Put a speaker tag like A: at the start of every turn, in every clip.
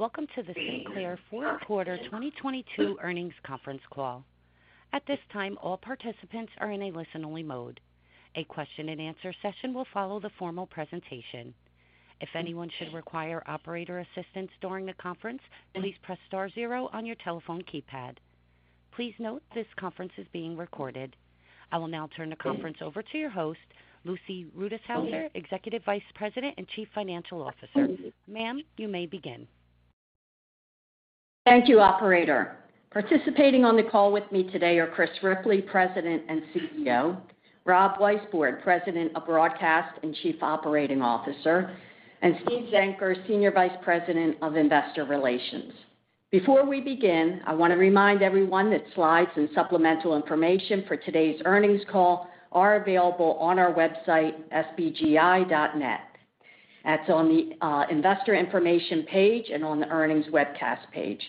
A: Welcome to the Sinclair Q4 2022 Earnings Conference Call. At this time, all participants are in a listen-only mode. A question-and-answer session will follow the formal presentation. If anyone should require operator assistance during the conference, please press star zero on your telephone keypad. Please note this conference is being recorded. I will now turn the conference over to your host, Lucy Rutishauser, Executive Vice President and Chief Financial Officer. Ma'am, you may begin.
B: Thank you, operator. Participating on the call with me today are Chris Ripley, President and CEO, Rob Weisbord, President of Broadcast and Chief Operating Officer, and Steve Zenker, Senior Vice President of Investor Relations. Before we begin, I want to remind everyone that slides and supplemental information for today's earnings call are available on our website, sbgi.net. That's on the investor information page and on the earnings webcast page.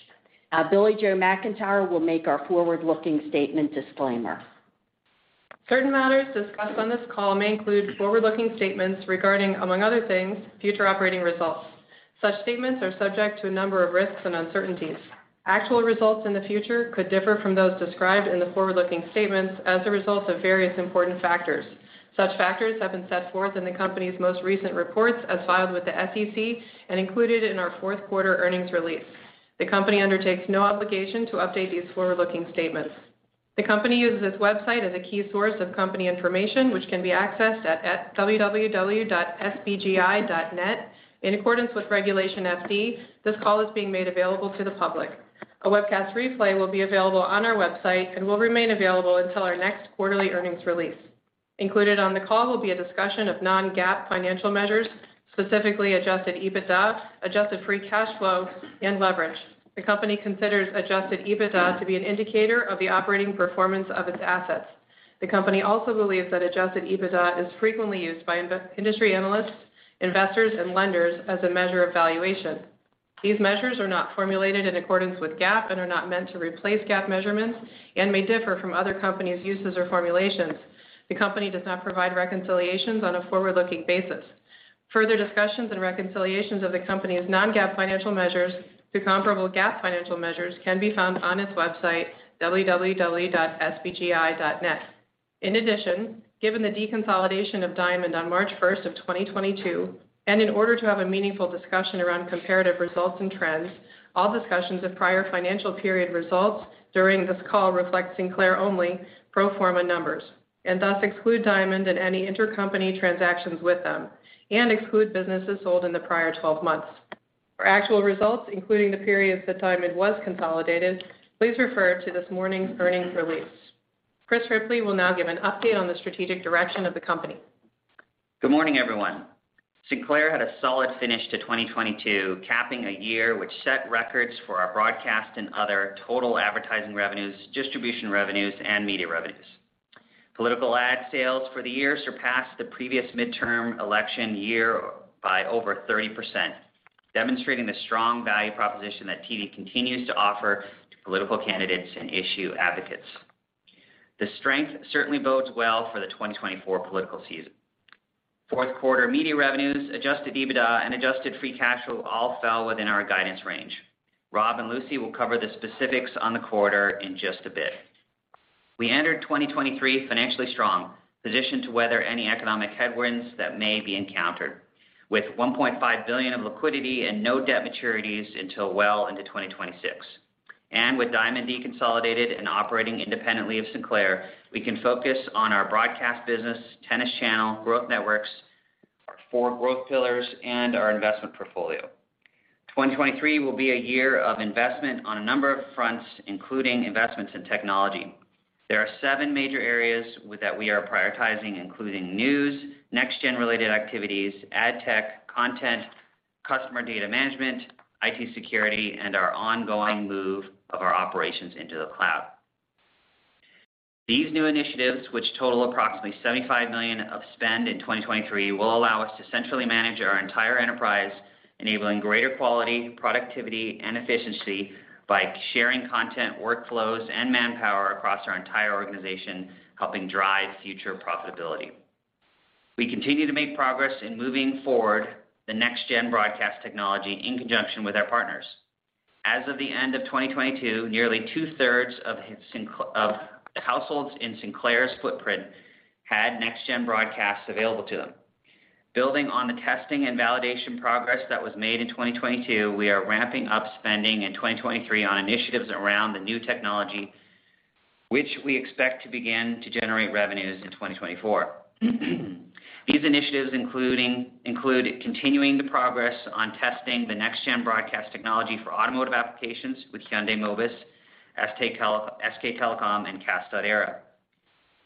B: Now, Billie-Jo McIntire will make our forward-looking statement disclaimer.
C: Certain matters discussed on this call may include forward-looking statements regarding, among other things, future operating results. Such statements are subject to a number of risks and uncertainties. Actual results in the future could differ from those described in the forward-looking statements as a result of various important factors. Such factors have been set forth in the company's most recent reports as filed with the SEC and included in our Q4 earnings release. The company undertakes no obligation to update these forward-looking statements. The company uses its website as a key source of company information, which can be accessed at www.sbgi.net. In accordance with Regulation FD, this call is being made available to the public. A webcast replay will be available on our website and will remain available until our next quarterly earnings release. Included on the call will be a discussion of non-GAAP financial measures, specifically Adjusted EBITDA, Adjusted Free Cash Flow, and leverage. The company considers Adjusted EBITDA to be an indicator of the operating performance of its assets. The company also believes that Adjusted EBITDA is frequently used by industry analysts, investors, and lenders as a measure of valuation. These measures are not formulated in accordance with GAAP and are not meant to replace GAAP measurements and may differ from other companies' uses or formulations. The company does not provide reconciliations on a forward-looking basis. Further discussions and reconciliations of the company's non-GAAP financial measures to comparable GAAP financial measures can be found on its website, www.sbgi.net. In addition, given the deconsolidation of Diamond on March first of 2022 and in order to have a meaningful discussion around comparative results and trends, all discussions of prior financial period results during this call reflect Sinclair only pro forma numbers, and thus exclude Diamond and any intercompany transactions with them and exclude businesses sold in the prior 12 months. For actual results, including the periods that Diamond was consolidated, please refer to this morning's earnings release. Chris Ripley will now give an update on the strategic direction of the company.
D: Good morning, everyone. Sinclair had a solid finish to 2022, capping a year which set records for our broadcast and other total advertising revenues, distribution revenues, and media revenues. Political ad sales for the year surpassed the previous midterm election year by over 30%, demonstrating the strong value proposition that TV continues to offer to political candidates and issue advocates. The strength certainly bodes well for the 2024 political season. Q4 media revenues, Adjusted EBITDA and Adjusted Free Cash Flow all fell within our guidance range. Rob and Lucy will cover the specifics on the quarter in just a bit. We entered 2023 financially strong, positioned to weather any economic headwinds that may be encountered with $1.5 billion of liquidity and no debt maturities until well into 2026. With Diamond deconsolidated and operating independently of Sinclair, we can focus on our broadcast business, Tennis Channel, Growth Networks, our four growth pillars, and our investment portfolio. 2023 will be a year of investment on a number of fronts, including investments in technology. There are seven major areas that we are prioritizing, including news, NextGen related activities, ad tech, content, customer data management, IT security, and our ongoing move of our operations into the cloud. These new initiatives, which total approximately $75 million of spend in 2023, will allow us to centrally manage our entire enterprise, enabling greater quality, productivity, and efficiency by sharing content, workflows, and manpower across our entire organization, helping drive future profitability. We continue to make progress in moving forward the NextGen broadcast technology in conjunction with our partners. As of the end of 2022, nearly 2/3 of households in Sinclair's footprint had NextGen broadcasts available to them. Building on the testing and validation progress that was made in 2022, we are ramping up spending in 2023 on initiatives around the new technology, which we expect to begin to generate revenues in 2024. These initiatives include continuing the progress on testing the NextGen broadcast technology for automotive applications with Hyundai Mobis, SK Telecom, and CAST.ERA.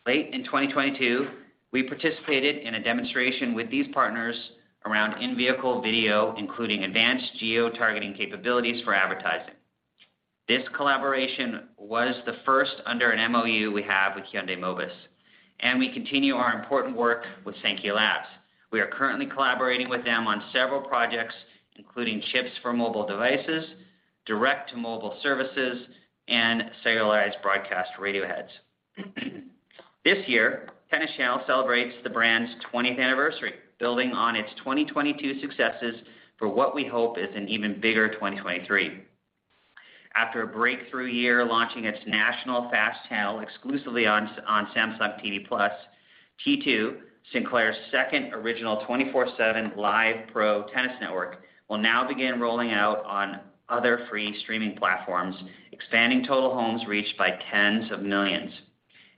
D: Late in 2022, we participated in a demonstration with these partners around in-vehicle video, including advanced geo-targeting capabilities for advertising. This collaboration was the first under an MoU we have with Hyundai Mobis, and we continue our important work with Saankhya Labs. We are currently collaborating with them on several projects, including chips for mobile devices, direct-to-mobile services, and cellularized broadcast radioheads. This year, Tennis Channel celebrates the brand's 20th anniversary, building on its 2022 successes for what we hope is an even bigger 2023. After a breakthrough year launching its national FAST channel exclusively on Samsung TV Plus, T2, Sinclair's second original 24/7 live pro tennis network, will now begin rolling out on other free streaming platforms, expanding total homes reached by tens of millions.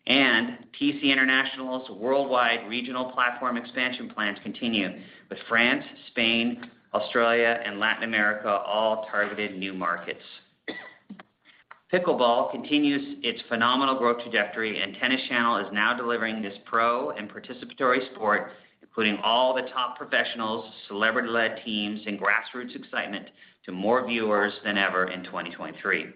D: TC International's worldwide regional platform expansion plans continue, with France, Spain, Australia, and Latin America all targeted new markets. Pickleball continues its phenomenal growth trajectory, and Tennis Channel is now delivering this pro and participatory sport, including all the top professionals, celebrity-led teams, and grassroots excitement to more viewers than ever in 2023.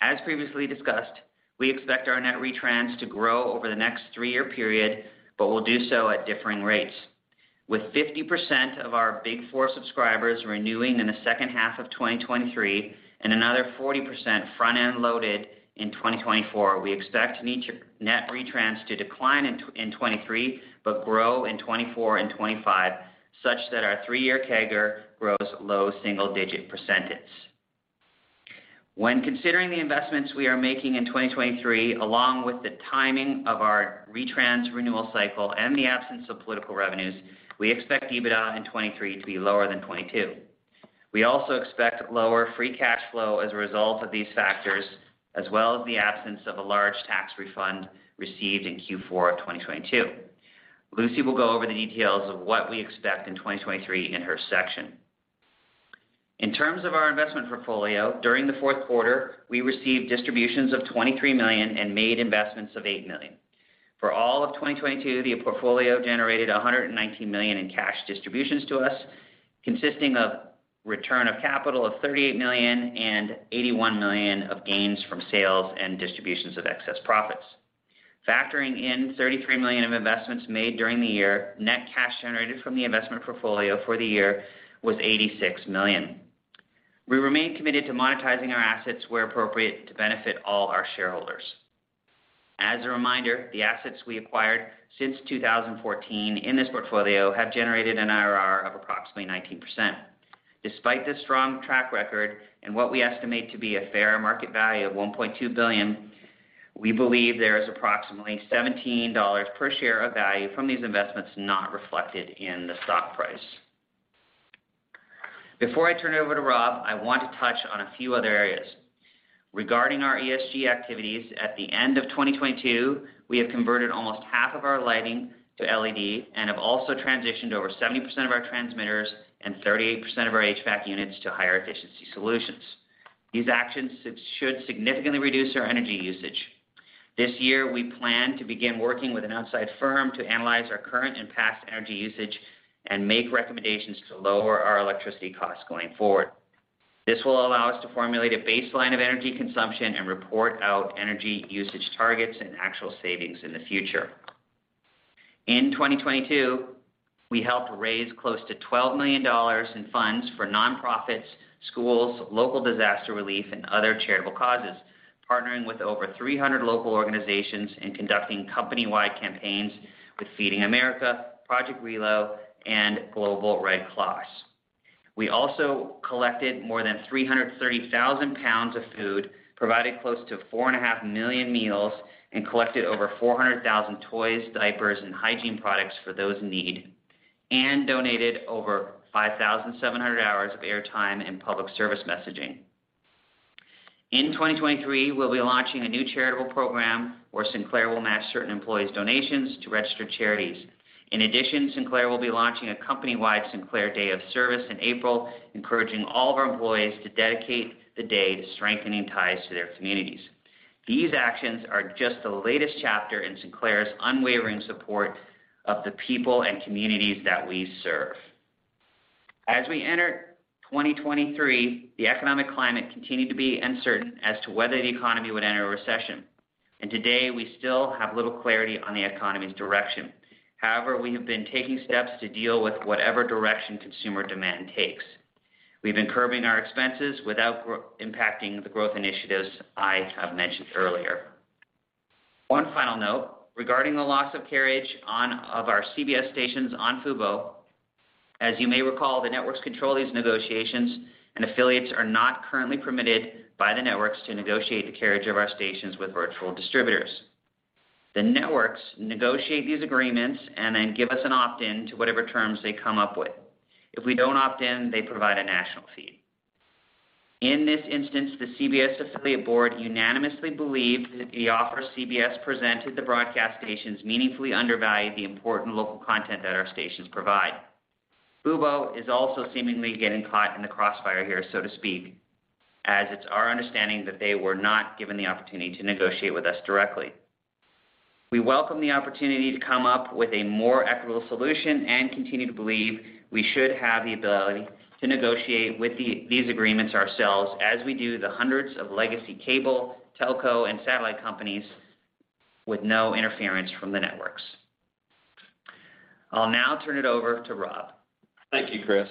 D: As previously discussed, we expect our net retrans to grow over the next three-year period, but will do so at differing rates. With 50% of our Big Four subscribers renewing in the H2 of 2023 and another 40% front-end loaded in 2024, we expect net retrans to decline in 2023 but grow in 2024 and 2025 such that our 3-year CAGR grows low single-digit percentage. When considering the investments we are making in 2023, along with the timing of our retrans renewal cycle and the absence of political revenues, we expect EBITDA in 2023 to be lower than 2022. We also expect lower free cash flow as a result of these factors, as well as the absence of a large tax refund received in Q4 of 2022. Lucy will go over the details of what we expect in 2023 in her section. In terms of our investment portfolio, during the Q4, we received distributions of $23 million and made investments of $8 million. For all of 2022, the portfolio generated $119 million in cash distributions to us, consisting of return of capital of $38 million and $81 million of gains from sales and distributions of excess profits. Factoring in $33 million of investments made during the year, net cash generated from the investment portfolio for the year was $86 million. We remain committed to monetizing our assets where appropriate to benefit all our shareholders. As a reminder, the assets we acquired since 2014 in this portfolio have generated an IRR of approximately 19%. Despite this strong track record and what we estimate to be a fair market value of $1.2 billion, we believe there is approximately $17 per share of value from these investments not reflected in the stock price. Before I turn it over to Rob, I want to touch on a few other areas. Regarding our ESG activities, at the end of 2022, we have converted almost half of our lighting to LED and have also transitioned over 70% of our transmitters and 38% of our HVAC units to higher efficiency solutions. These actions should significantly reduce our energy usage. This year, we plan to begin working with an outside firm to analyze our current and past energy usage and make recommendations to lower our electricity costs going forward. This will allow us to formulate a baseline of energy consumption and report out energy usage targets and actual savings in the future. In 2022, we helped raise close to $12 million in funds for nonprofits, schools, local disaster relief, and other charitable causes, partnering with over 300 local organizations and conducting company-wide campaigns with Feeding America, Project RELO, and Global Red Cross. We also collected more than 330,000 pounds of food, provided close to 4.5 million meals, and collected over 400,000 toys, diapers, and hygiene products for those in need, and donated over 5,700 hours of airtime and public service messaging. In 2023, we'll be launching a new charitable program where Sinclair will match certain employees' donations to registered charities. Sinclair will be launching a company-wide Sinclair Day of Service in April, encouraging all of our employees to dedicate the day to strengthening ties to their communities. These actions are just the latest chapter in Sinclair's unwavering support of the people and communities that we serve. We entered 2023, the economic climate continued to be uncertain as to whether the economy would enter a recession. Today, we still have little clarity on the economy's direction. However, we have been taking steps to deal with whatever direction consumer demand takes. We've been curbing our expenses without impacting the growth initiatives I have mentioned earlier. One final note regarding the loss of carriage of our CBS stations on Fubo. As you may recall, the networks control these negotiations, and affiliates are not currently permitted by the networks to negotiate the carriage of our stations with virtual distributors. The networks negotiate these agreements and then give us an opt-in to whatever terms they come up with. If we don't opt in, they provide a national feed. In this instance, the CBS affiliate board unanimously believed that the offer CBS presented the broadcast stations meaningfully undervalued the important local content that our stations provide. Fubo is also seemingly getting caught in the crossfire here, so to speak, as it's our understanding that they were not given the opportunity to negotiate with us directly. We welcome the opportunity to come up with a more equitable solution and continue to believe we should have the ability to negotiate with these agreements ourselves as we do the hundreds of legacy cable, telco, and satellite companies with no interference from the networks. I'll now turn it over to Rob.
E: Thank you, Chris.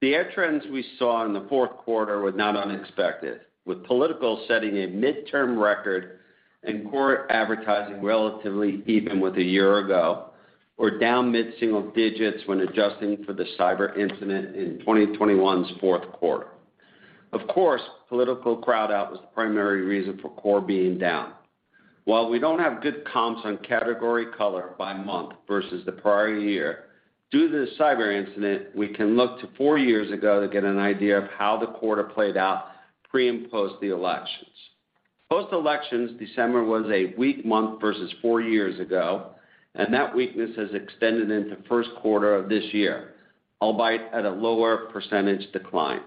E: The ad trends we saw in the Q4 were not unexpected, with political setting a midterm record and core advertising relatively even with a year ago, or down mid-single digits when adjusting for the cyber incident in 2021's Q4. Of course, political crowd-out was the primary reason for core being down. While we don't have good comps on category color by month versus the prior year, due to the cyber incident, we can look to four years ago to get an idea of how the quarter played out pre- and post- the elections. Post-elections, December was a weak month versus four years ago. That weakness has extended into Q1 of this year, albeit at a lower percentage decline.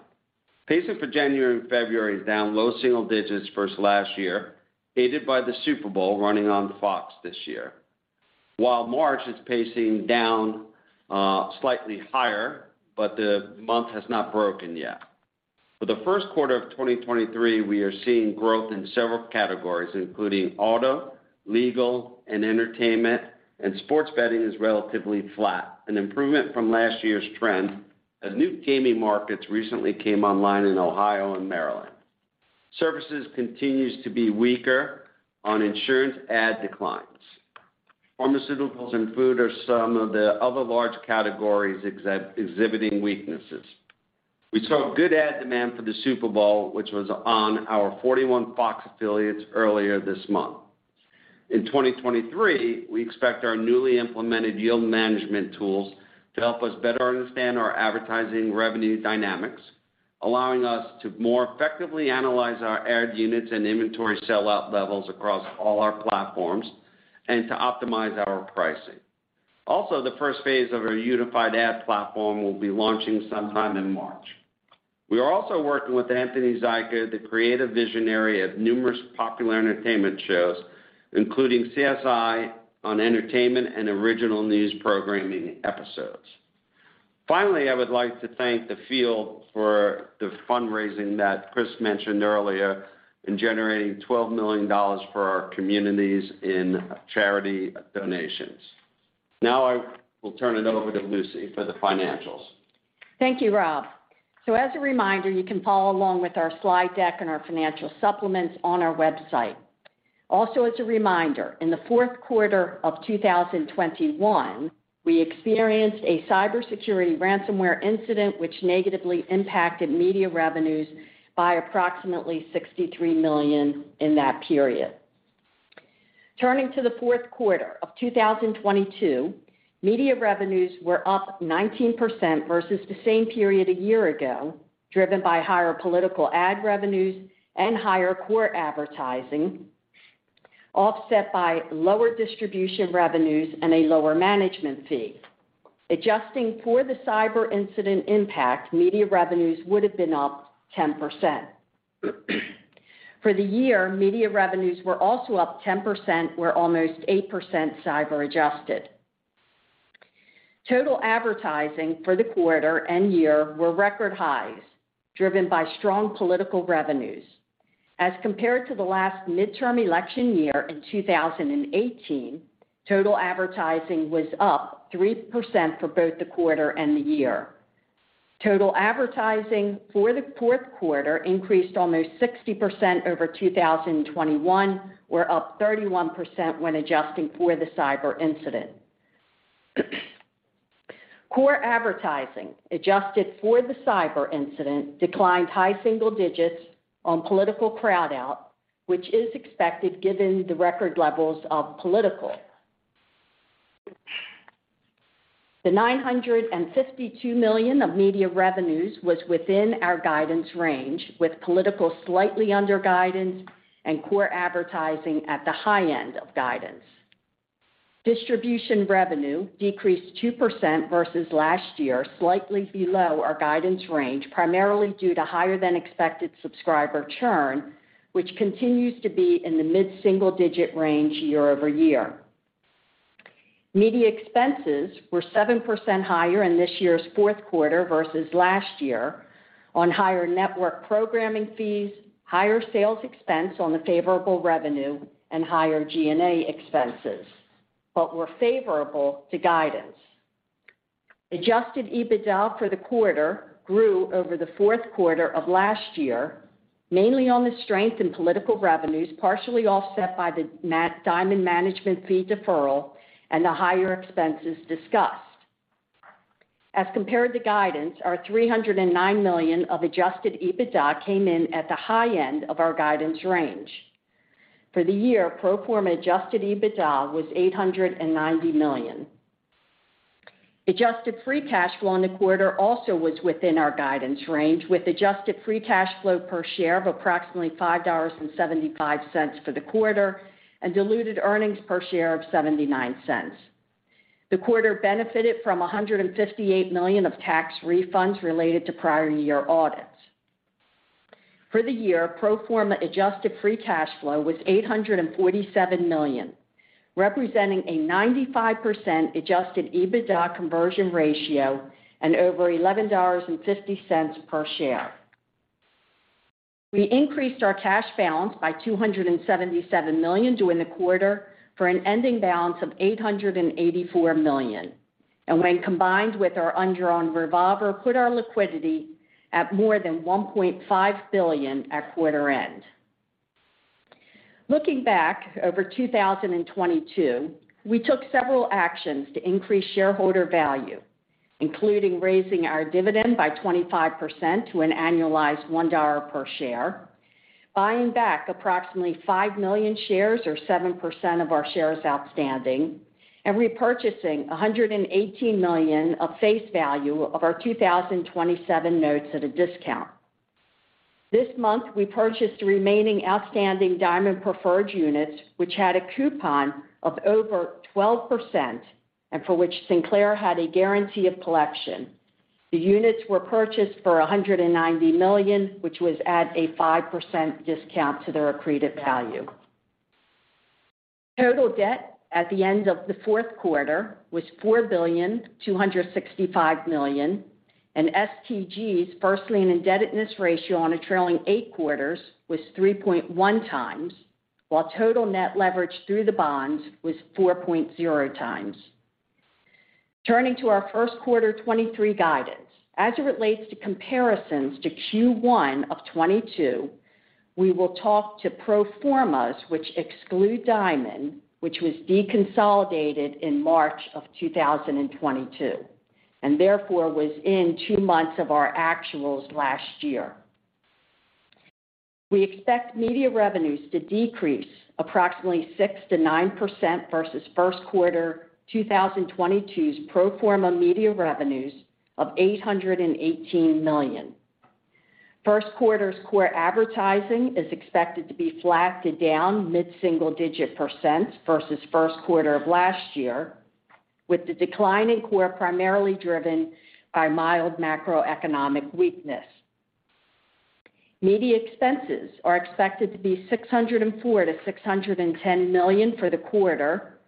E: Pacing for January and February is down low single digits versus last year, aided by the Super Bowl running on Fox this year. While March is pacing down slightly higher, the month has not broken yet. For the Q1 of 2023, we are seeing growth in several categories, including auto, legal, and entertainment, and sports betting is relatively flat, an improvement from last year's trend as new gaming markets recently came online in Ohio and Maryland. Services continues to be weaker on insurance ad declines. Pharmaceuticals and food are some of the other large categories exhibiting weaknesses. We saw good ad demand for the Super Bowl, which was on our 41 Fox affiliates earlier this month. In 2023, we expect our newly implemented yield management tools to help us better understand our advertising revenue dynamics, allowing us to more effectively analyze our ad units and inventory sellout levels across all our platforms and to optimize our pricing. The first phase of our unified ad platform will be launching sometime in March. We are also working with Anthony Zuiker, the creative visionary of numerous popular entertainment shows, including CSI on entertainment and original news programming episodes. I would like to thank the field for the fundraising that Chris mentioned earlier in generating $12 million for our communities in charity donations. I will turn it over to Lucy for the financials.
B: Thank you, Rob. As a reminder, you can follow along with our slide deck and our financial supplements on our website. Also as a reminder, in the Q4 of 2021, we experienced a cybersecurity ransomware incident which negatively impacted media revenues by approximately $63 million in that period. Turning to the Q4 of 2022, media revenues were up 19% versus the same period a year ago, driven by higher political ad revenues and higher core advertising, offset by lower distribution revenues and a lower management fee. Adjusting for the cyber incident impact, media revenues would have been up 10%. For the year, media revenues were also up 10%. We're almost 8% cyber adjusted. Total advertising for the quarter and year were record highs, driven by strong political revenues. As compared to the last midterm election year in 2018, total advertising was up 3% for both the quarter and the year. Total advertising for the Q4 increased almost 60% over 2021. We're up 31% when adjusting for the cyber incident. Core advertising, adjusted for the cyber incident, declined high single digits on political crowd out, which is expected given the record levels of political. The $952 million of media revenues was within our guidance range, with political slightly under guidance and core advertising at the high end of guidance. Distribution revenue decreased 2% versus last year, slightly below our guidance range, primarily due to higher than expected subscriber churn, which continues to be in the mid-single digit range year-over-year. Media expenses were 7% higher in this year's Q4 versus last year on higher network programming fees, higher sales expense on the favorable revenue, and higher G&A expenses, but were favorable to guidance. Adjusted EBITDA for the quarter grew over the Q4 of last year, mainly on the strength in political revenues, partially offset by the Diamond management fee deferral and the higher expenses discussed. Compared to guidance, our $309 million of Adjusted EBITDA came in at the high end of our guidance range. For the year, pro forma Adjusted EBITDA was $890 million. Adjusted Free Cash Flow in the quarter also was within our guidance range, with Adjusted Free Cash Flow per share of approximately $5.75 for the quarter and diluted earnings per share of $0.79. The quarter benefited from $158 million of tax refunds related to prior year audits. For the year, pro forma Adjusted Free Cash Flow was $847 million, representing a 95% Adjusted EBITDA conversion ratio and over $11.50 per share. We increased our cash balance by $277 million during the quarter for an ending balance of $884 million. When combined with our undrawn revolver, put our liquidity at more than $1.5 billion at quarter end. Looking back over 2022, we took several actions to increase shareholder value, including raising our dividend by 25% to an annualized $1 per share, buying back approximately five million shares or 7% of our shares outstanding, and repurchasing $118 million of face value of our 2027 notes at a discount. This month, we purchased the remaining outstanding Diamond preferred units, which had a coupon of over 12%, and for which Sinclair had a guarantee of collection. The units were purchased for $190 million, which was at a 5% discount to their accreted value. Total debt at the end of the Q4 was $4.265 billion, STG's first lien indebtedness ratio on a trailing eight quarters was 3.1x, while total net leverage through the bonds was 4.0x. Turning to our Q1 2023 guidance. As it relates to comparisons to Q1 of 2022, we will talk to pro formas, which exclude Diamond, which was deconsolidated in March of 2022, and therefore was in two months of our actuals last year. We expect media revenues to decrease approximately 6% to 9% versus Q1 2022's pro forma media revenues of $818 million. Q1's core advertising is expected to be flat to down mid-single digit percent versus Q1 of last year, with the decline in core primarily driven by mild macroeconomic weakness. Media expenses are expected to be $604 million to $610 million for the quarter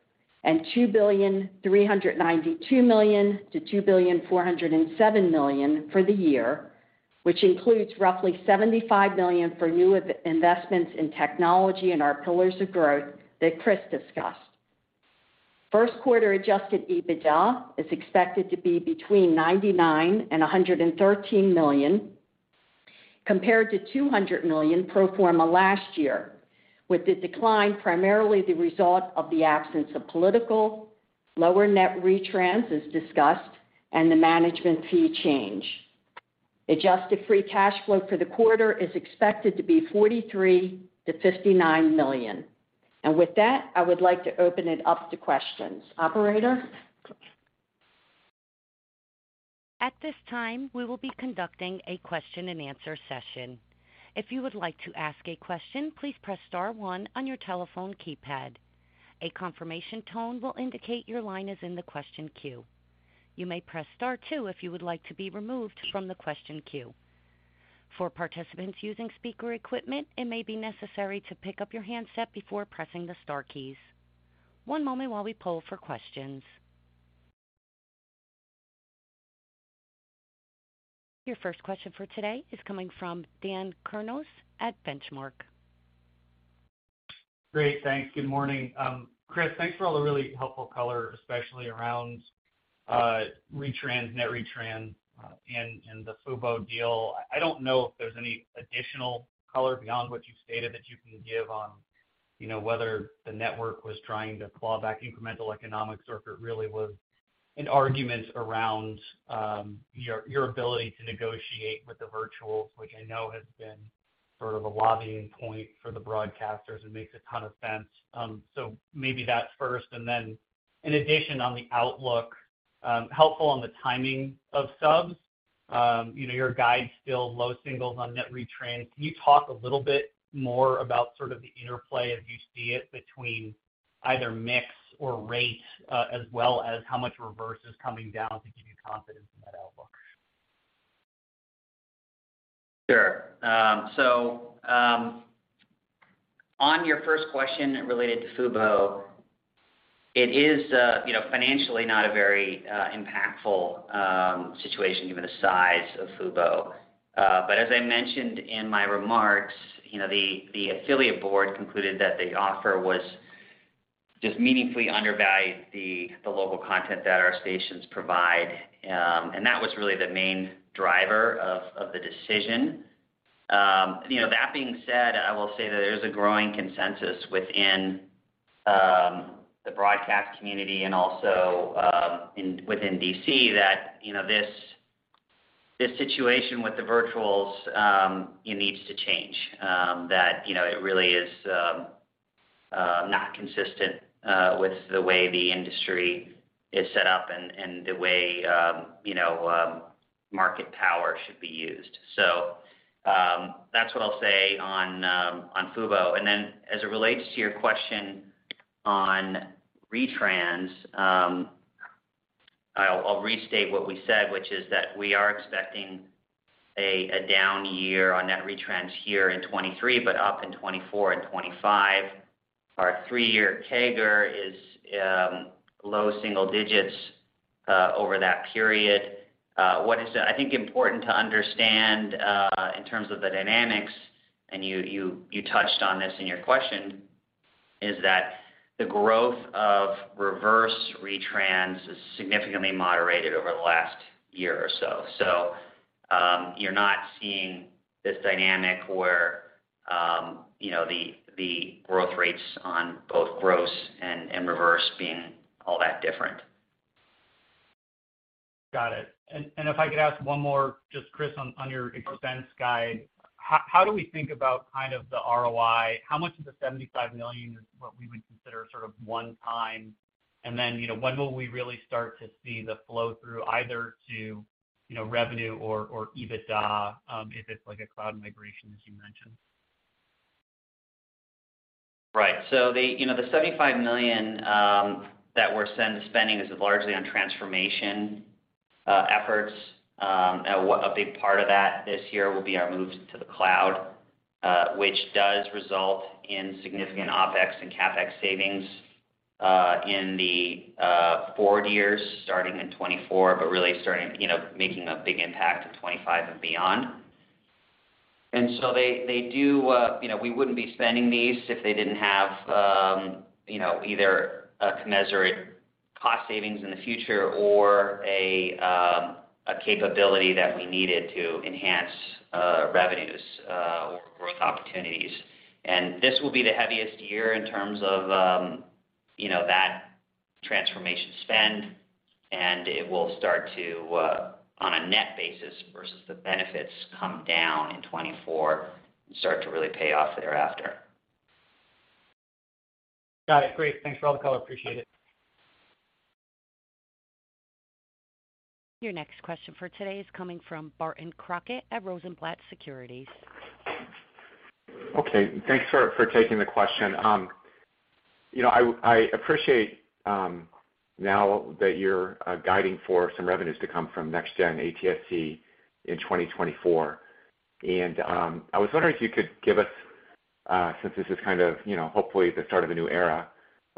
B: and $2.392 billion to $2.407 billion for the year, which includes roughly $75 million for new investments in technology and our pillars of growth that Chris discussed. Q1 Adjusted EBITDA is expected to be between $99 million and $113 million compared to $200 million pro forma last year, with the decline primarily the result of the absence of political, lower net retrans as discussed, and the management fee change. Adjusted Free Cash Flow for the quarter is expected to be $43 million to $59 million. With that, I would like to open it up to questions. Operator?
A: At this time, we will be conducting a question-and-answer session. If you would like to ask a question, please press star one on your telephone keypad. A confirmation tone will indicate your line is in the question queue. You may press star two if you would like to be removed from the question queue. For participants using speaker equipment, it may be necessary to pick up your handset before pressing the star keys. One moment while we poll for questions. Your first question for today is coming from Daniel Kurnos at Benchmark.
F: Great. Thanks. Good morning. Chris, thanks for all the really helpful color, especially around retrans, net retrans, and the Fubo deal. I don't know if there's any additional color beyond what you've stated that you can give on, you know, whether the network was trying to claw back incremental economics or if it really was an argument around your ability to negotiate with the virtuals, which I know has been sort of a lobbying point for the broadcasters and makes a ton of sense. Maybe that's first. In addition on the outlook, helpful on the timing of subs, you know, your guide's still low singles on net retrans. Can you talk a little bit more about sort of the interplay as you see it between either mix or rate, as well as how much reverse is coming down to give you confidence in that outlook?
D: Sure. On your first question related to Fubo, it is, you know, financially not a very impactful situation given the size of Fubo. As I mentioned in my remarks, you know, the affiliate board concluded that the offer was just meaningfully undervalued the local content that our stations provide. That was really the main driver of the decision. You know, that being said, I will say that there's a growing consensus within the broadcast community and also within D.C. that, you know, this situation with the virtuals, it needs to change. That, you know, it really is not consistent with the way the industry is set up and the way, you know, market power should be used. That's what I'll say on Fubo. As it relates to your question on retrans, I'll restate what we said, which is that we are expecting a down year on net retrans here in 2023, but up in 2024 and 2025. Our three-year CAGR is low single digits over that period. What is, I think, important to understand in terms of the dynamics, and you touched on this in your question, is that the growth of reverse retrans is significantly moderated over the last year or so. You're not seeing this dynamic where, you know, the growth rates on both gross and reverse being all that different.
F: Got it. If I could ask one more, just Chris, on your expense guide. How do we think about kind of the ROI? How much of the $75 million is what we would consider sort of one time? You know, when will we really start to see the flow through either to, you know, revenue or EBITDA, if it's like a cloud migration as you mentioned?
D: Right. The, you know, the $75 million that we're spending is largely on transformation efforts. A big part of that this year will be our move to the cloud, which does result in significant OpEx and CapEx savings in the forward years starting in 2024, but really starting, you know, making a big impact in 2025 and beyond. They, they do, you know, we wouldn't be spending these if they didn't have, you know, either a commensurate cost savings in the future or a capability that we needed to enhance revenues or growth opportunities. This will be the heaviest year in terms of, you know, that transformation spend, and it will start to on a net basis versus the benefits come down in 2024 and start to really pay off thereafter.
F: Got it. Great. Thanks for all the color. Appreciate it.
A: Your next question for today is coming from Barton Crockett at Rosenblatt Securities.
G: Okay. Thanks for taking the question. you know, I appreciate now that you're guiding for some revenues to come from NextGen ATSC in 2024. I was wondering if you could give us, since this is kind of, you know, hopefully the start of a new era,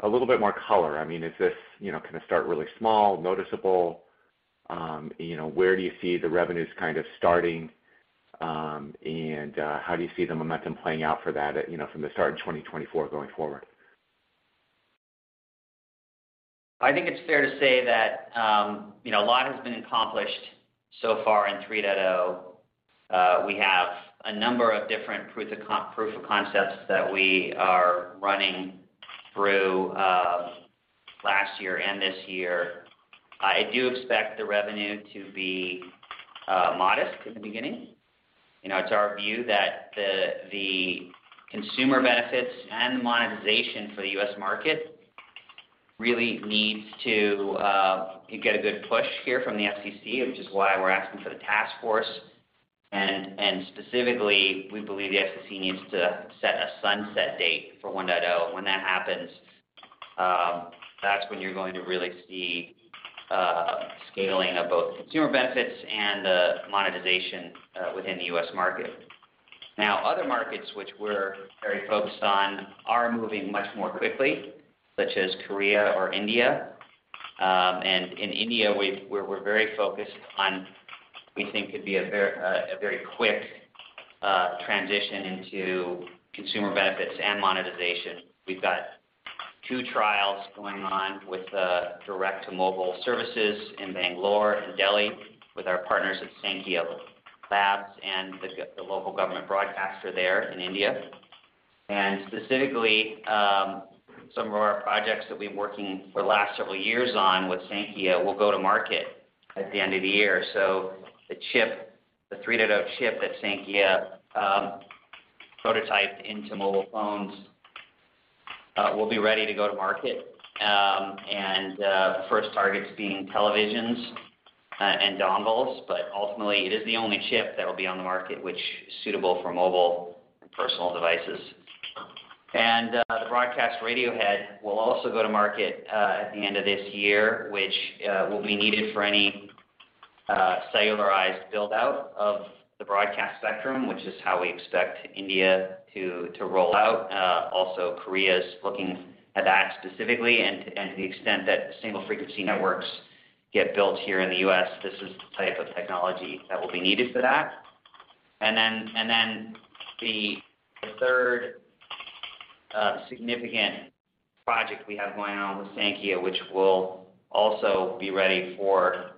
G: a little bit more color. I mean, is this, you know, gonna start really small, noticeable? you know, where do you see the revenues kind of starting, and how do you see the momentum playing out for that, you know, from the start in 2024 going forward?
D: I think it's fair to say that, you know, a lot has been accomplished so far in 3.0. We have a number of different proof of concepts that we are running through last year and this year. I do expect the revenue to be modest in the beginning. You know, it's our view that the consumer benefits and the monetization for the U.S. market really needs to get a good push here from the FCC, which is why we're asking for the task force. Specifically, we believe the FCC needs to set a sunset date for 1.0. When that happens, that's when you're going to really see scaling of both consumer benefits and the monetization within the U.S. market. Other markets which we're very focused on are moving much more quickly, such as Korea or India. In India, we're very focused on what we think could be a very quick transition into consumer benefits and monetization. We've got 2 trials going on with direct-to-mobile services in Bangalore and Delhi with our partners at Saankhya Labs and the local government broadcaster there in India. Specifically, some of our projects that we've been working for the last several years on with Saankhya will go to market at the end of the year. The chip, the 3.0 chip that Saankhya prototyped into mobile phones, will be ready to go to market. The first targets being televisions and dongles, but ultimately it is the only chip that will be on the market which is suitable for mobile and personal devices. The broadcast radiohead will also go to market at the end of this year, which will be needed for any cellularized build-out of the broadcast spectrum, which is how we expect India to roll out. Also Korea's looking at that specifically. To the extent that single frequency networks get built here in the U.S., this is the type of technology that will be needed for that. The third significant project we have going on with Saankhya, which will also be ready for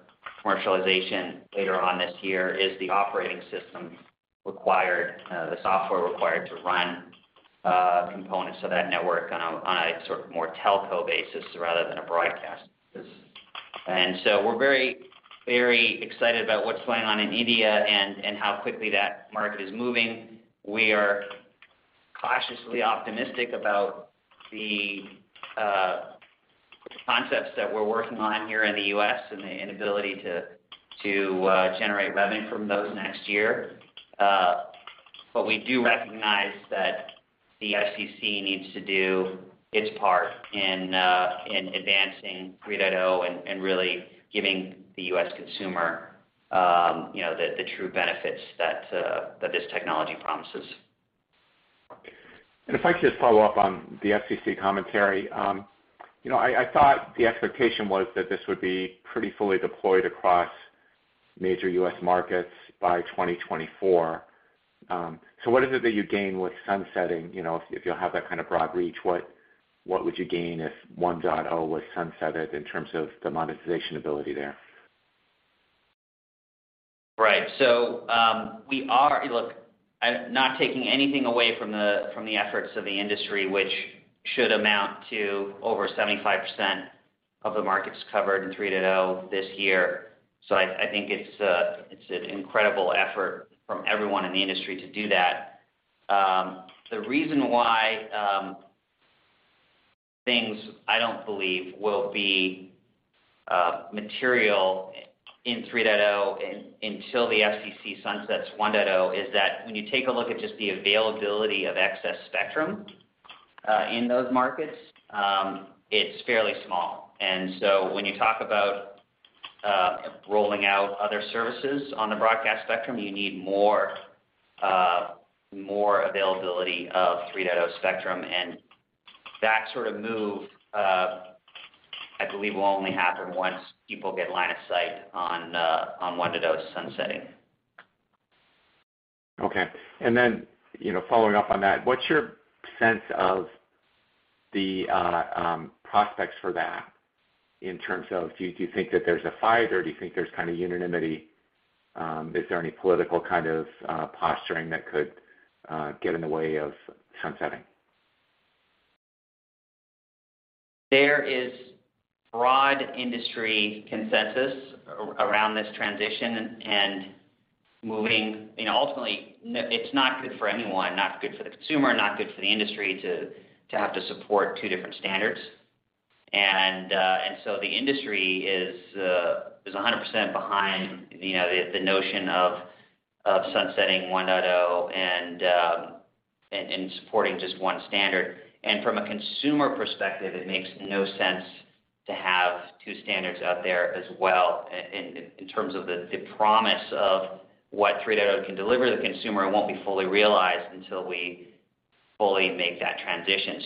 D: commercialization later on this year, is the operating system required, the software required to run components of that network on a sort of more telco basis rather than a broadcast basis. We're very, very excited about what's going on in India and how quickly that market is moving. We are cautiously optimistic about the concepts that we're working on here in the U.S. and the inability to generate revenue from those next year. We do recognize that the FCC needs to do its part in advancing 3.0 and really giving the U.S. consumer, you know, the true benefits that this technology promises.
G: If I could just follow up on the FCC commentary. You know, I thought the expectation was that this would be pretty fully deployed across major U.S. markets by 2024. What is it that you gain with sunsetting, you know, if you'll have that kind of broad reach? What would you gain if ATSC 1.0 was sunsetted in terms of the monetization ability there?
D: Right. Look, I'm not taking anything away from the efforts of the industry, which should amount to over 75% of the markets covered in 3.0 this year. I think it's an incredible effort from everyone in the industry to do that. The reason why things I don't believe will be material in 3.0 until the FCC sunsets 1.0, is that when you take a look at just the availability of excess spectrum in those markets, it's fairly small. When you talk about rolling out other services on the broadcast spectrum, you need more availability of 3.0 spectrum. That sort of move, I believe will only happen once people get line of sight on 1.0 sunsetting.
G: Okay. Then, you know, following up on that, what's your sense of the prospects for that in terms of do you think that there's a fight or do you think there's kind of unanimity? Is there any political kind of posturing that could get in the way of sunsetting?
D: There is broad industry consensus around this transition and moving. You know, ultimately it's not good for anyone, not good for the consumer, not good for the industry to have to support two different standards. The industry is 100% behind, you know, the notion of sunsetting ATSC 1.0 and supporting just one standard. From a consumer perspective, it makes no sense to have two standards out there as well in terms of the promise of what ATSC 3.0 can deliver to the consumer, it won't be fully realized until we fully make that transition.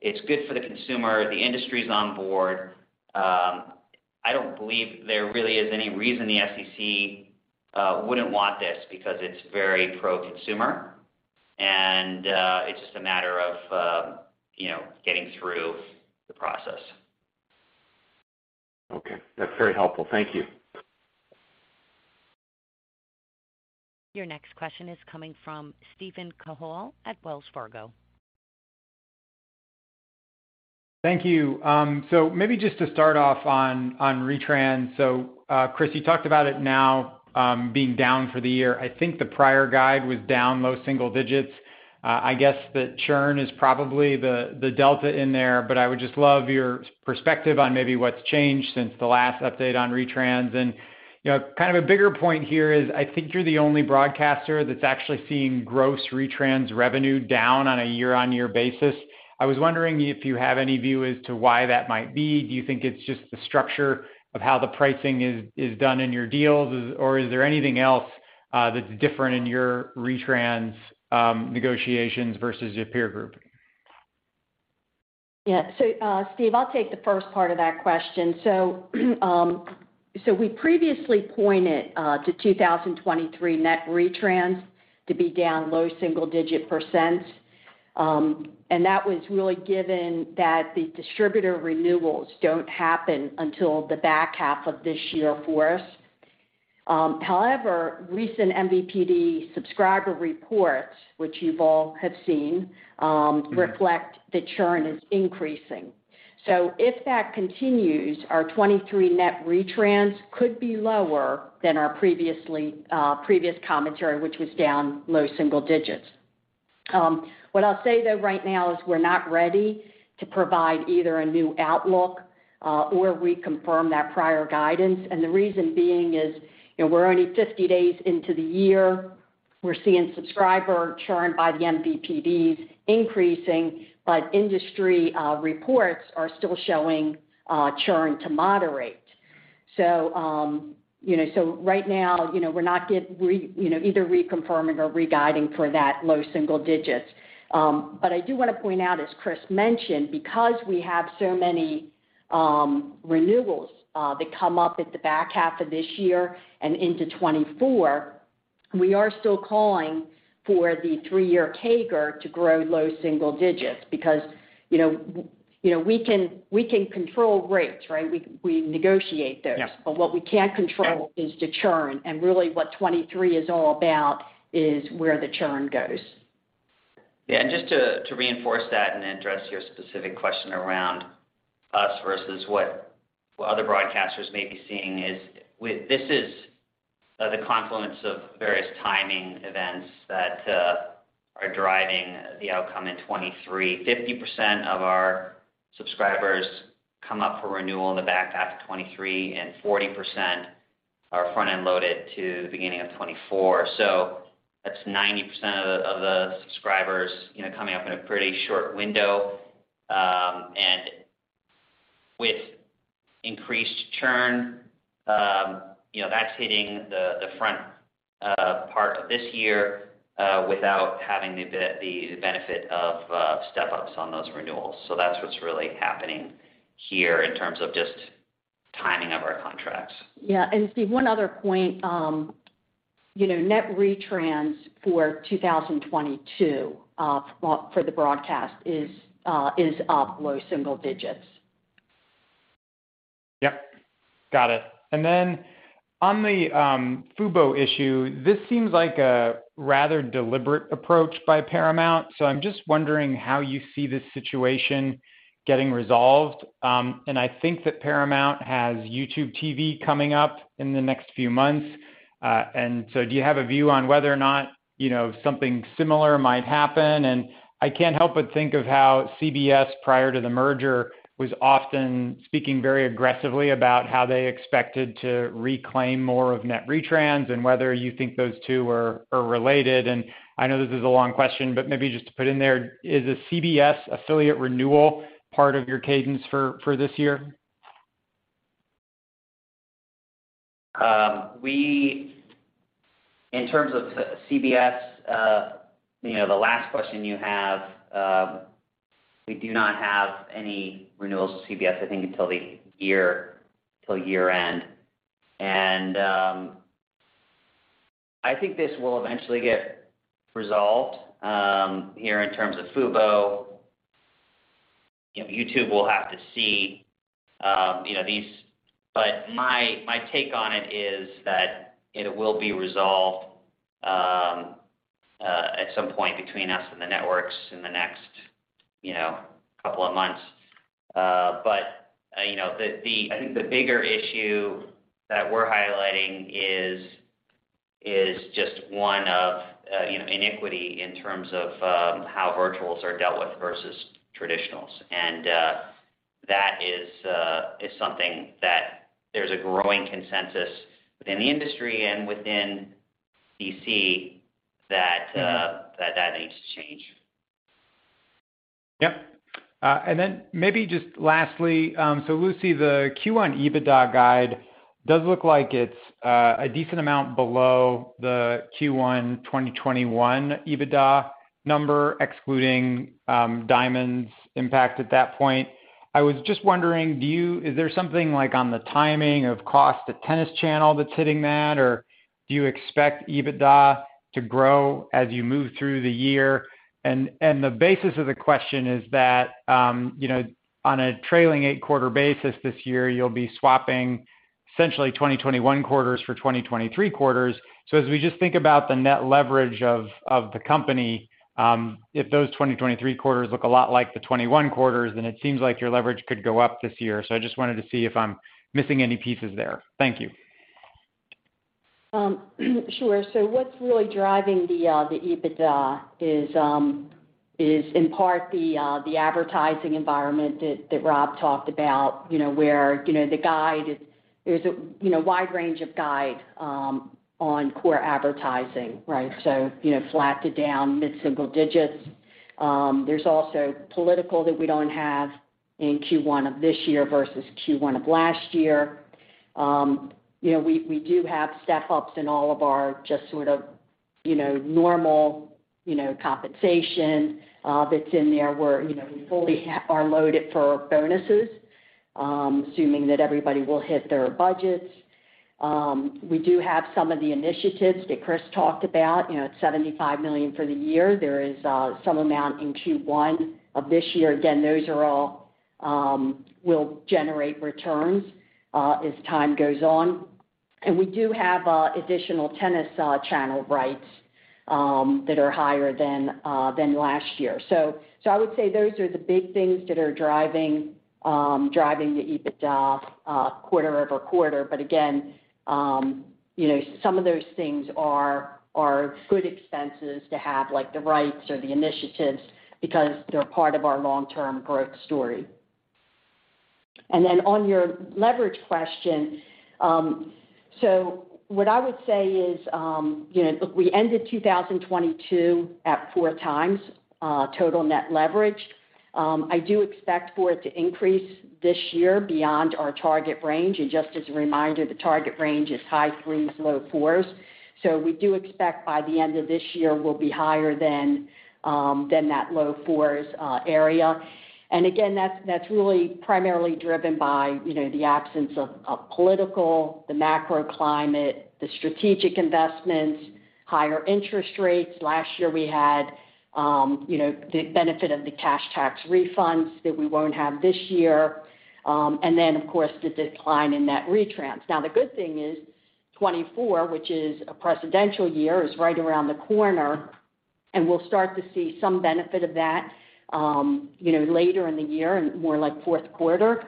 D: It's good for the consumer. The industry's on board. I don't believe there really is any reason the FCC wouldn't want this because it's very pro-consumer and it's just a matter of, you know, getting through the process.
G: Okay. That's very helpful. Thank you.
A: Your next question is coming from Steven Cahall at Wells Fargo.
H: Thank you. Maybe just to start off on retrans. Chris, you talked about it now being down for the year. I think the prior guide was down low single digits. I guess the churn is probably the delta in there, but I would just love your perspective on maybe what's changed since the last update on retrans. You know, kind of a bigger point here is I think you're the only broadcaster that's actually seeing gross retrans revenue down on a year-on-year basis. I was wondering if you have any view as to why that might be. Do you think it's just the structure of how the pricing is done in your deals? Or is there anything else that's different in your retrans negotiations versus your peer group?
B: Steve, I'll take the first part of that question. We previously pointed to 2023 net retrans to be down low single-digit %. That was really given that the distributor renewals don't happen until the back half of this year for us. However, recent MVPD subscriber reports, which you've all have seen, reflect the churn is increasing. If that continues, our 23 net retrans could be lower than our previously previous commentary, which was down low single digits. What I'll say though right now is we're not ready to provide either a new outlook or reconfirm that prior guidance. The reason being is, you know, we're only 50 days into the year. We're seeing subscriber churn by the MVPDs increasing, but industry reports are still showing churn to moderate. Right now, you know, we're not either reconfirming or re-guiding for that low single digits. I do wanna point out, as Chris mentioned, because we have so many renewals that come up at the back half of this year and into 2024, we are still calling for the three-year CAGR to grow low single digits because, you know, we can control rates, right? We negotiate those.
D: Yeah.
B: What we can't control is the churn, and really what 2023 is all about is where the churn goes.
D: Yeah. Just to reinforce that and address your specific question around us versus what other broadcasters may be seeing is this is the confluence of various timing events that are driving the outcome in 2023. 50% of our subscribers come up for renewal in the back half of 2023, and 40% are front and loaded to the beginning of 2024. That's 90% of the subscribers, you know, coming up in a pretty short window. With increased churn, you know, that's hitting the front part of this year without having the benefit of step-ups on those renewals. That's what's really happening here in terms of just timing of our contracts.
B: Yeah. Steve, one other point, you know, net retrans for 2022, well, for the broadcast is up low single digits.
H: Yep, got it. Then on the Fubo issue, this seems like a rather deliberate approach by Paramount. I'm just wondering how you see this situation getting resolved. I think that Paramount has YouTube TV coming up in the next few months. So do you have a view on whether or not, you know, something similar might happen? I can't help but think of how CBS, prior to the merger, was often speaking very aggressively about how they expected to reclaim more of net retrans and whether you think those two are related. I know this is a long question, but maybe just to put in there, is a CBS affiliate renewal part of your cadence for this year?
D: In terms of CBS, you know, the last question you have, we do not have any renewals with CBS, I think, till year-end. I think this will eventually get resolved here in terms of Fubo. You know, YouTube will have to see, you know, these. My take on it is that it will be resolved at some point between us and the networks in the next, you know, couple of months. You know, I think the bigger issue that we're highlighting is just one of, you know, inequity in terms of how virtual are dealt with versus traditional. That is something that there's a growing consensus within the industry and within D.C. that needs to change.
H: Yep. Maybe just lastly, so Lucy, the Q1 EBITDA guide does look like it's a decent amount below the Q1 2021 EBITDA number, excluding Diamond's impact at that point. I was just wondering, Is there something like on the timing of cost at Tennis Channel that's hitting that? Or do you expect EBITDA to grow as you move through the year? The basis of the question is that, you know, on a trailing eight-quarter basis this year, you'll be swapping essentially 2021 quarters for 2023 quarters. As we just think about the net leverage of the company, if those 2023 quarters look a lot like the 2021 quarters, then it seems like your leverage could go up this year. I just wanted to see if I'm missing any pieces there. Thank you.
B: What's really driving the EBITDA is in part the advertising environment that Rob talked about, you know, where, you know, the guide is, there's a, you know, wide range of guide on core advertising, right? Flat to down mid-single digits. There's also political that we don't have in Q1 of this year versus Q1 of last year. You know, we do have step-ups in all of our just sort of, you know, normal, you know, compensation that's in there where, you know, we fully are loaded for bonuses, assuming that everybody will hit their budgets. We do have some of the initiatives that Chris talked about. You know, it's $75 million for the year. There is some amount in Q1 of this year. Again, those are all will generate returns as time goes on. We do have additional Tennis Channel rights that are higher than last year. I would say those are the big things that are driving the EBITDA quarter-over-quarter. Again, you know, some of those things are good expenses to have, like the rights or the initiatives, because they're part of our long-term growth story. Then on your leverage question, what I would say is, you know, look, we ended 2022 at 4x total net leverage. I do expect for it to increase this year beyond our target range. Just as a reminder, the target range is high threes, low fours. We do expect by the end of this year, we'll be higher than that low fours area. Again, that's really primarily driven by the absence of political, the macro climate, the strategic investments, higher interest rates. Last year we had the benefit of the cash tax refunds that we won't have this year. Of course, the decline in net retrans. The good thing is 2024, which is a presidential year, is right around the corner, and we'll start to see some benefit of that later in the year and more like Q4.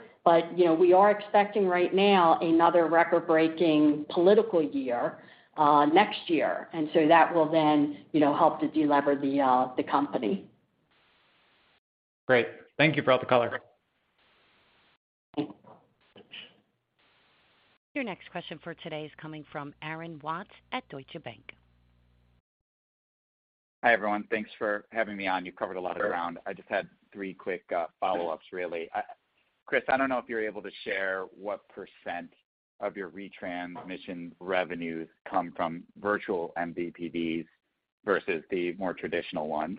B: We are expecting right now another record-breaking political year next year, that will then help to delever the company.
H: Great. Thank you for all the color.
B: Thanks.
A: Your next question for today is coming from Aaron Watts at Deutsche Bank.
I: Hi, everyone. Thanks for having me on. You covered a lot around. I just had three quick follow-ups, really. Chris, I don't know if you're able to share what percent of your retransmission revenues come from virtual MVPDs versus the more traditional ones.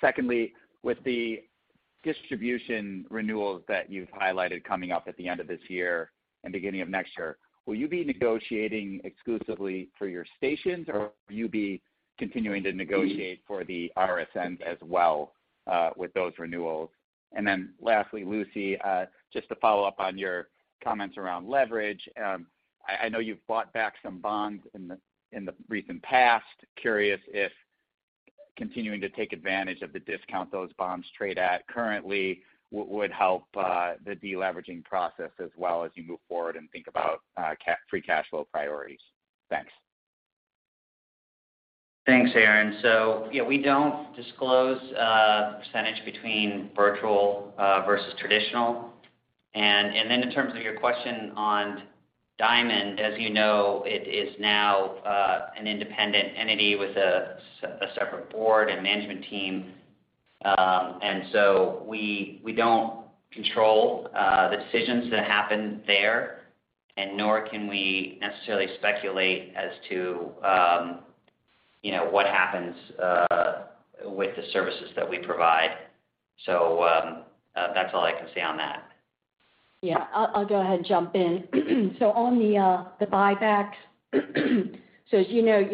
I: Secondly, with the distribution renewals that you've highlighted coming up at the end of this year and beginning of next year, will you be negotiating exclusively for your stations, or will you be continuing to negotiate for the RSNs as well with those renewals? Lastly, Lucy, just to follow up on your comments around leverage. I know you've bought back some bonds in the recent past. Curious if continuing to take advantage of the discount those bonds trade at currently would help the deleveraging process as well as you move forward and think about free cash flow priorities. Thanks.
D: Thanks, Aaron. Yeah, we don't disclose percentage between virtual versus traditional. In terms of your question on Diamond, as you know, it is now an independent entity with a separate board and management team. We don't control the decisions that happen there, and nor can we necessarily speculate as to, you know, what happens with the services that we provide. That's all I can say on that.
B: I'll go ahead and jump in. On the buybacks. As you know,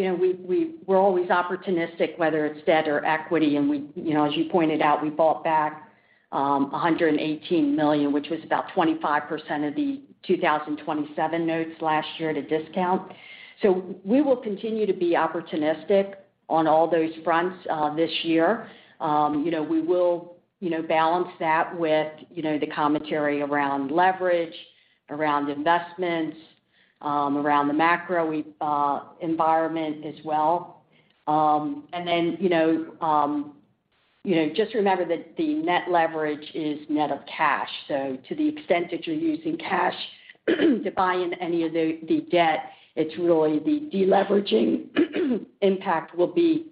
B: we're always opportunistic, whether it's debt or equity, and we, as you pointed out, we bought back $118 million, which was about 25% of the 2027 notes last year at a discount. We will continue to be opportunistic on all those fronts this year. You know, we will balance that with, you know, the commentary around leverage, around investments, around the macro environment as well. Just remember that the net leverage is net of cash. To the extent that you're using cash to buy in any of the debt, it's really the deleveraging impact will be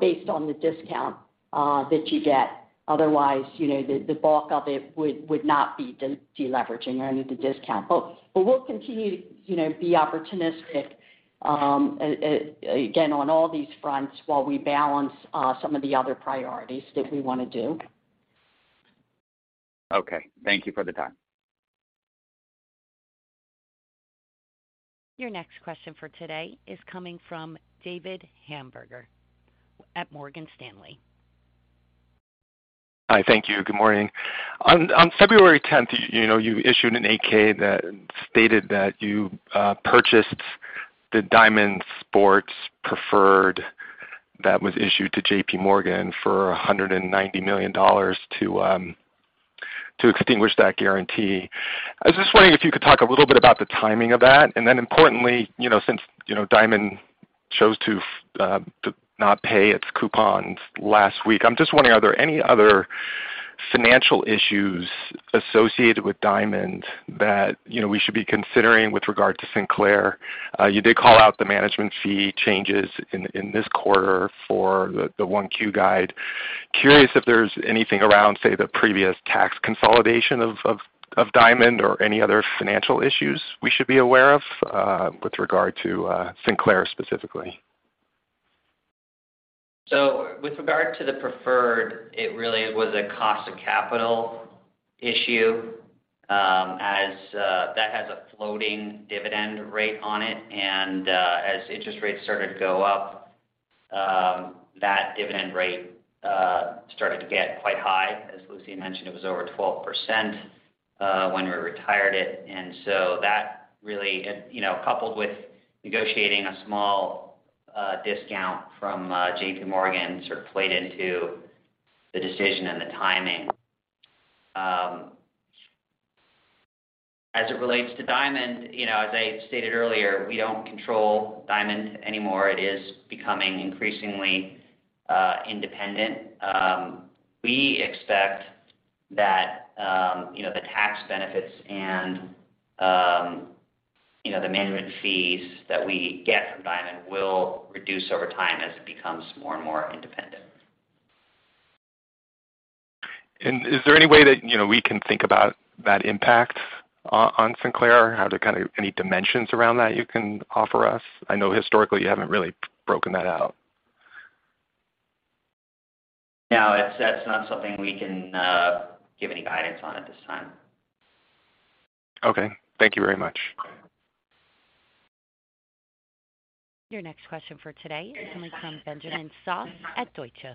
B: based on the discount that you get. Otherwise, you know, the bulk of it would not be deleveraging or need the discount. We'll continue to, you know, be opportunistic again, on all these fronts while we balance some of the other priorities that we wanna do.
I: Okay. Thank you for the time.
A: Your next question for today is coming from David Hamburger at Morgan Stanley.
J: Hi. Thank you. Good morning. On February 10th, you know, you issued an 8-K that stated that you purchased the Diamond Sports preferred that was issued to JPMorgan for $190 million to extinguish that guarantee. I was just wondering if you could talk a little bit about the timing of that. Importantly, you know, since, you know, Diamond chose to not pay its coupons last week, I'm just wondering, are there any other financial issues associated with Diamond that, you know, we should be considering with regard to Sinclair? You did call out the management fee changes in this quarter for the 1Q guide. Curious if there's anything around, say, the previous tax consolidation of Diamond or any other financial issues we should be aware of with regard to Sinclair specifically.
D: With regard to the preferred, it really was a cost of capital issue, as that has a floating dividend rate on it. As interest rates started to go up, that dividend rate started to get quite high. As Lucy mentioned, it was over 12% when we retired it. That really, you know, coupled with negotiating a small discount from JPMorgan sort of played into the decision and the timing. As it relates to Diamond, you know, as I stated earlier, we don't control Diamond anymore. It is becoming increasingly independent. We expect that, you know, the tax benefits and, you know, the management fees that we get from Diamond will reduce over time as it becomes more and more independent.
J: Is there any way that, you know, we can think about that impact on Sinclair? Are there kind of any dimensions around that you can offer us? I know historically you haven't really broken that out.
D: No. That's not something we can give any guidance on at this time.
J: Okay. Thank you very much.
A: Your next question for today is coming from Benjamin Sass at Deutsche.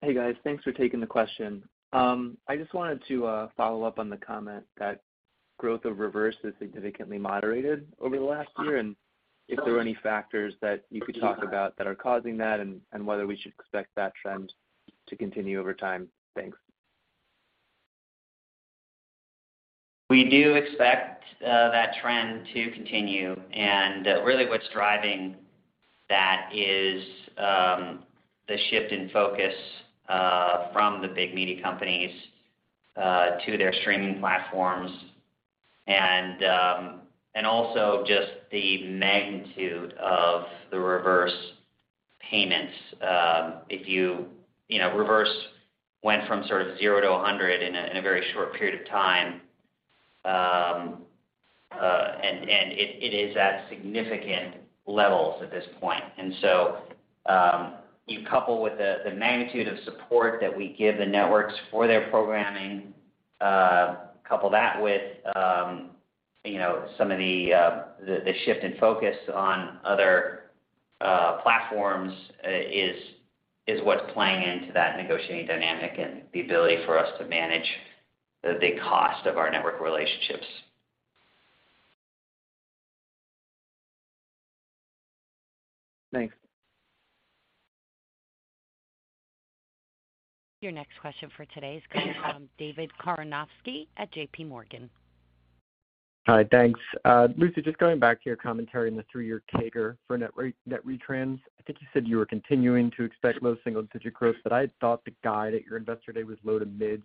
K: Hey, guys. Thanks for taking the question. I just wanted to follow up on the comment that growth of reverse has significantly moderated over the last year, and if there are any factors that you could talk about that are causing that and whether we should expect that trend to continue over time. Thanks.
D: We do expect that trend to continue and really what's driving That is, the shift in focus, from the big media companies, to their streaming platforms. Also just the magnitude of the reverse payments. If you know, reverse went from sort of zero to 100 in a very short period of time, and it is at significant levels at this point. You couple with the magnitude of support that we give the networks for their programming, couple that with, you know, some of the shift in focus on other platforms, is what's playing into that negotiating dynamic and the ability for us to manage the cost of our network relationships.
K: Thanks.
A: Your next question for today is coming from David Karnovsky at JPMorgan.
L: Hi. Thanks. Lucy, just going back to your commentary on the three-year CAGR for net retrans. I think you said you were continuing to expect low single-digit growth, I thought the guide at your Investor Day was low to mid.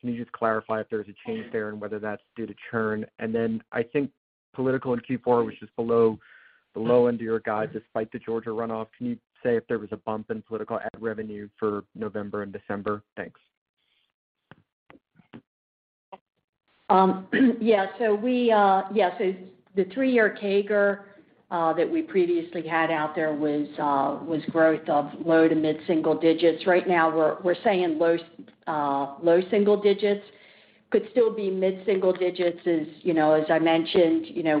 L: Can you just clarify if there's a change there and whether that's due to churn? I think political in Q4, which is below end of your guide despite the Georgia runoff, can you say if there was a bump in political ad revenue for November and December? Thanks.
B: The three-year CAGR that we previously had out there was growth of low to mid single digits. We're saying low, low single digits. Could still be mid single digits, as, you know, as I mentioned, you know,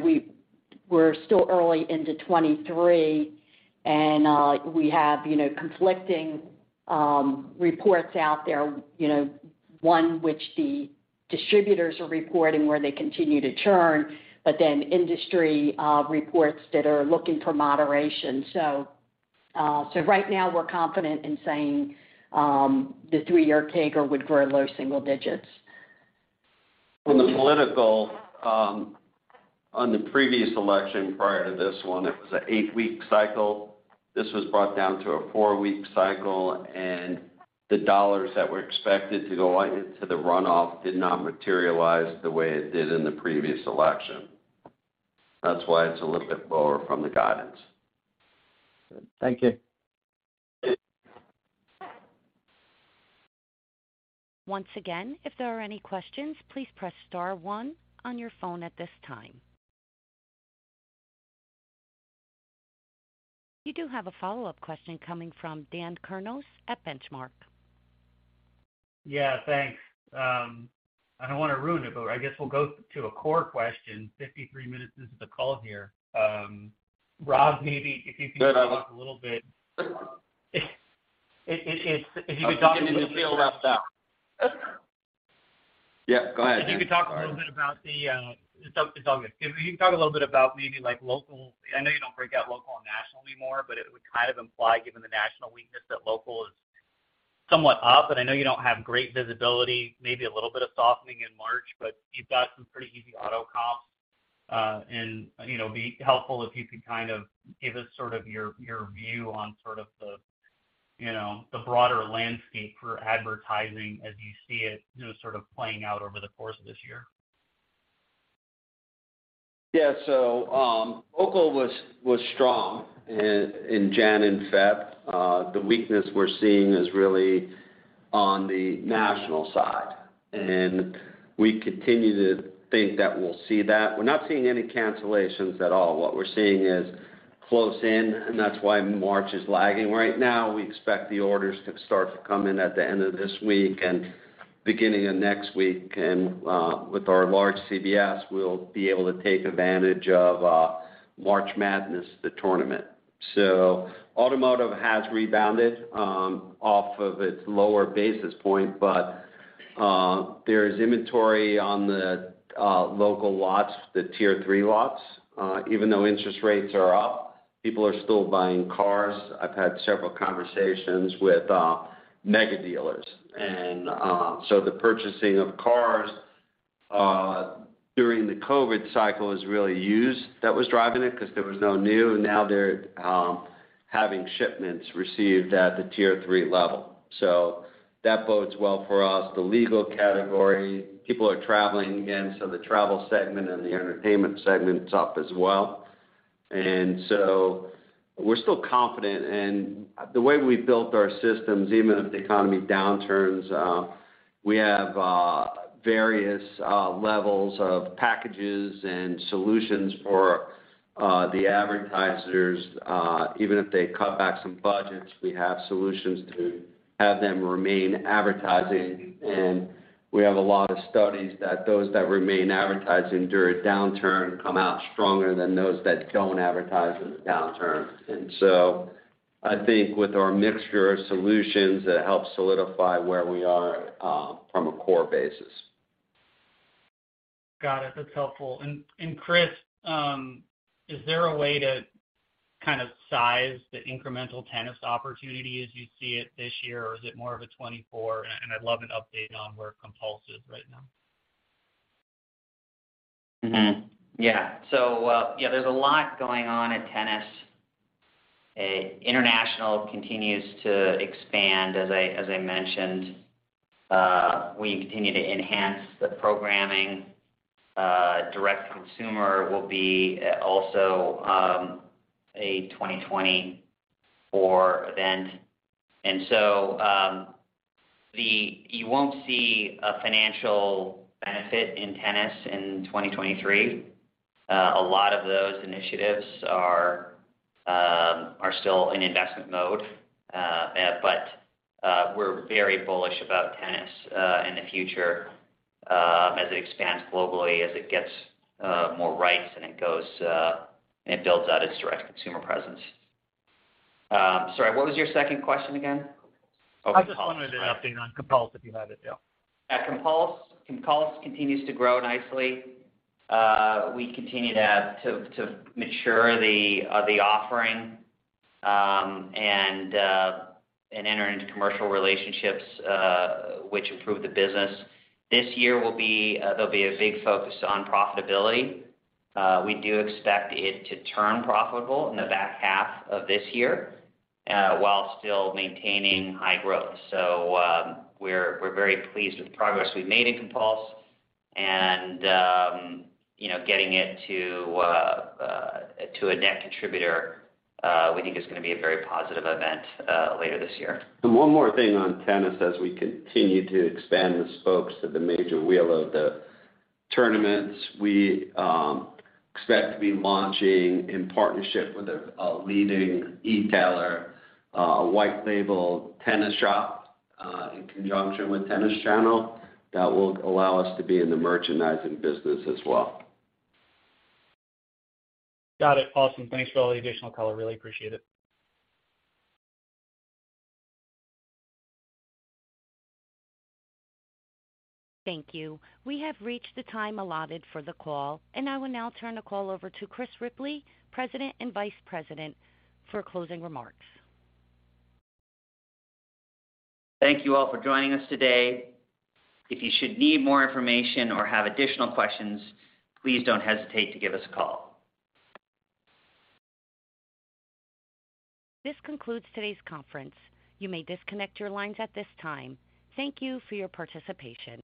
B: we're still early into 2023, we have, you know, conflicting reports out there, you know, one which the distributors are reporting where they continue to churn, industry reports that are looking for moderation. We're confident in saying the three-year CAGR would grow low single digits.
E: On the political, on the previous election prior to this one, it was an eight-week cycle. This was brought down to a four-week cycle. The dollars that were expected to go out into the runoff did not materialize the way it did in the previous election. That's why it's a little bit lower from the guidance.
L: Good. Thank you.
A: Once again, if there are any questions, please press star one on your phone at this time. You do have a follow-up question coming from Daniel Kurnos at Benchmark.
F: Yeah. Thanks. I don't wanna ruin it, but I guess we'll go to a core question 53 minutes into the call here. Rob, maybe if you can-
E: Go ahead....
F: talk a little bit. It's if you could talk a little bit.
E: I was getting into field reps now. Yeah, go ahead.
F: If you could talk a little bit about the. It's all good. If you could talk a little bit about maybe like local. I know you don't break out local and national anymore, but it would kind of imply, given the national weakness, that local is somewhat up, and I know you don't have great visibility, maybe a little bit of softening in March, but you've got some pretty easy auto comps. You know, it'd be helpful if you could kind of give us sort of your view on sort of the, you know, the broader landscape for advertising as you see it, you know, sort of playing out over the course of this year.
E: Yeah. Local was strong in January and February. The weakness we're seeing is really on the national side, and we continue to think that we'll see that. We're not seeing any cancellations at all. What we're seeing is close in, and that's why March is lagging right now. We expect the orders to start to come in at the end of this week and beginning of next week. With our large CBS, we'll be able to take advantage of March Madness, the tournament. Automotive has rebounded off of its lower basis point, but there's inventory on the local lots, the tier three lots. Even though interest rates are up, people are still buying cars. I've had several conversations with mega dealers. The purchasing of cars during the COVID cycle is really used. That was driving it because there was no new, and now they're having shipments received at the tier 3 level. That bodes well for us. The legal category, people are traveling again, so the travel segment and the entertainment segment's up as well. We're still confident. The way we built our systems, even if the economy downturns, we have various levels of packages and solutions for the advertisers. Even if they cut back some budgets, we have solutions to have them remain advertising. We have a lot of studies that those that remain advertising during downturn come out stronger than those that don't advertise in the downturn. I think with our mixture of solutions, that helps solidify where we are from a core basis.
F: Got it. That's helpful. Chris, is there a way to kind of size the incremental tennis opportunity as you see it this year, or is it more of a 2024? I'd love an update on where Compulse is right now.
D: Yeah, there's a lot going on at Tennis. International continues to expand as I mentioned. We continue to enhance the programming. Direct consumer will be also a 2024 event. You won't see a financial benefit in Tennis in 2023. A lot of those initiatives are still in investment mode. We're very bullish about Tennis in the future, as it expands globally, as it gets more rights and it goes and it builds out its direct consumer presence. Sorry, what was your second question again?
F: Compulse.
D: Oh, Compulse, right.
F: I just wanted an update on Compulse, if you have it, yeah.
D: Yeah. Compulse continues to grow nicely. We continue to mature the offering and enter into commercial relationships which improve the business. This year will be there'll be a big focus on profitability. We do expect it to turn profitable in the back half of this year while still maintaining high growth. We're very pleased with the progress we've made in Compulse and, you know, getting it to a net contributor we think is gonna be a very positive event later this year.
E: One more thing on Tennis as we continue to expand the spokes to the major wheel of the tournaments. We expect to be launching in partnership with a leading e-tailer, a white label tennis shop, in conjunction with Tennis Channel that will allow us to be in the merchandising business as well.
F: Got it. Awesome. Thanks for all the additional color. Really appreciate it.
A: Thank you. We have reached the time allotted for the call, and I will now turn the call over to Chris Ripley, President and CEO, for closing remarks.
D: Thank you all for joining us today. If you should need more information or have additional questions, please don't hesitate to give us a call.
A: This concludes today's conference. You may disconnect your lines at this time. Thank you for your participation.